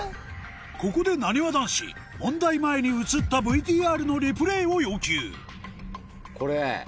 ここでなにわ男子問題前に映ったＶＴＲのリプレイを要求これ。